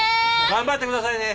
頑張ってくださいね。